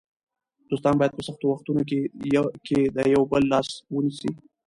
دوستان باید په سختو وختونو کې د یو بل لاس ونیسي.